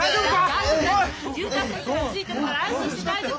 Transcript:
竜太先生がついてるから安心して大丈夫。